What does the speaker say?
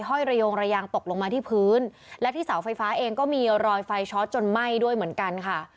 ระยงระยางตกลงมาที่พื้นและที่เสาไฟฟ้าเองก็มีรอยไฟช็อตจนไหม้ด้วยเหมือนกันค่ะ